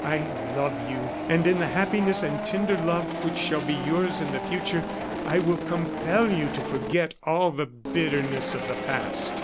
I love you and in the happiness and tender love which shall be yours in the future, I will compel you to forget all the bitterness of the past!"